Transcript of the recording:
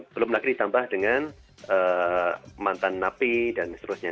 belum lagi ditambah dengan mantan napi dan seterusnya